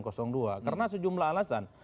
karena sejumlah alasan